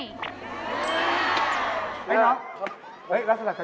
รัสนัดเรายากครับ